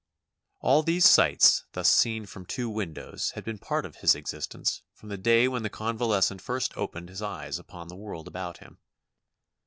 All these sights thus seen from two windows had been part of his existence from the day when the convales cent first opened his eyes upon the world about him.